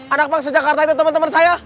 anak bangsa jakarta itu teman teman saya